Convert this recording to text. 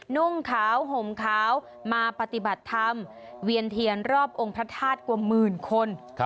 นุ่งขาวห่มขาวมาปฏิบัติธรรมเวียนเทียนรอบองค์พระธาตุกว่าหมื่นคน